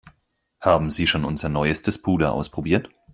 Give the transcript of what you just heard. Haben Sie schon unser neuestes Puder ausprobiert?